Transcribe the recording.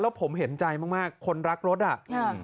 แล้วผมเห็นใจมากคนรักรถอ่ะค่ะ